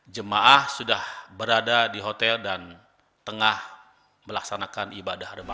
jemaah sudah berada di hotel dan tengah melaksanakan ibadah remaja